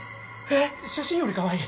えっ写真よりかわいい！